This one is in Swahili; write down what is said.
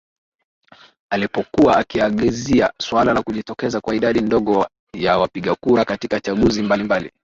alipokuwa akiangazia suala la kujitokeza kwa idadi ndogo ya wapiga kura katika chaguzi mbalimbali